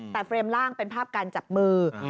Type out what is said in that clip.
แต่เฟรมล่างเป็นภาพการจับมือ